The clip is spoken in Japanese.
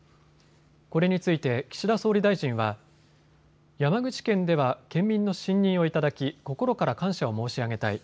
これについて岸田総理大臣は山口県では県民の信任を頂き心から感謝を申し上げたい。